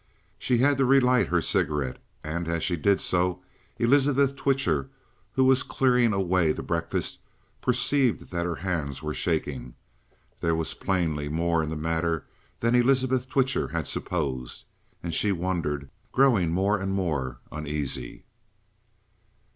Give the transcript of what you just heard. She had to relight her cigarette, and as she did so, Elizabeth Twitcher, who was clearing away the breakfast, perceived that her hands were shaking. There was plainly more in the matter than Elizabeth Twitcher had supposed, and she wondered, growing more and more uneasy.